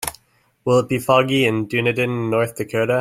Will it be foggy in Dunedin North Dakota?